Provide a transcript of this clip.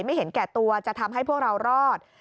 เห็นแก่ตัวจะทำให้พวกเรารอด